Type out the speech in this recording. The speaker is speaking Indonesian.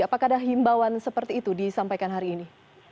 apakah ada himbawan seperti itu disampaikan hari ini